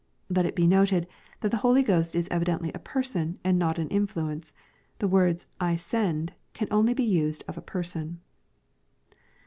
Let it be noted, that the Holy Ghost \b evidently a Person, and not an influence. The words " I send" can only be used of a " person."